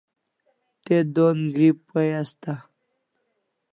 Te don gri pai asta